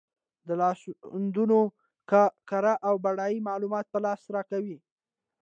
دا لاسوندونه کره او بډایه معلومات په لاس راکوي.